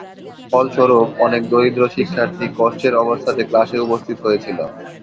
ফলস্বরূপ, অনেক দরিদ্র শিক্ষার্থী কষ্টের অবস্থাতে ক্লাসে উপস্থিত হয়েছিল।